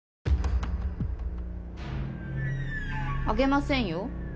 あげませんよ？